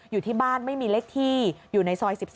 อยู่ที่บ้านไม่มีเลขที่อยู่ในซอย๑๔